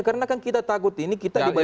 karena kan kita takut ini kita dibalikin ke